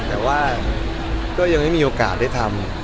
แต่ว่าก็ยังไม่มีโอกาสได้ทำ